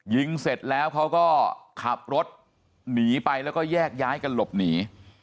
ยิงเสร็จแล้วเขาก็ขับรถหนีไปแล้วก็แยกย้ายกันหลบหนี